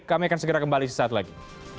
kami akan segera kembali sesaat lagi